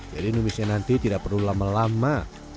jadi numisnya nanti tidak perlu lama lama